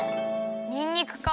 にんにくか。